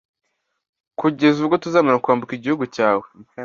kugeza ubwo tuzamara kwambuka igihugu cyawe.